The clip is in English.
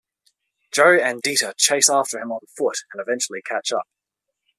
Joe and Dita chase after him on foot and eventually catch up.